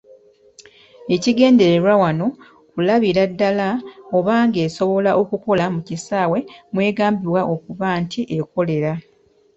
Ekigendererwa wano kulabira ddala oba ng'esobola okukola mu kisaawe mw’egambibwa okuba nti ekolera.